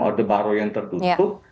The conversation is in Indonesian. orde baro yang tertutup